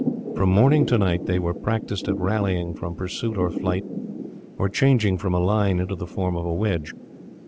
From morning to night they were practised at rallying from pursuit or flight, or changing from a line into the form of a wedge.